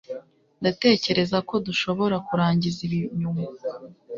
ndatekereza ko dushobora kurangiza ibi nyuma